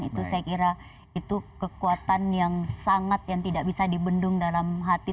itu saya kira itu kekuatan yang sangat yang tidak bisa dibendung dalam hati